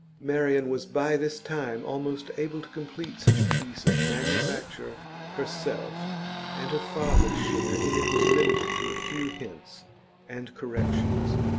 Marian was by this time almost able to complete such a piece of manufacture herself and her father's share in it was limited to a few hints and corrections.